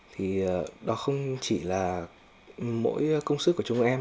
thì đó không chỉ là mỗi công sức của chúng em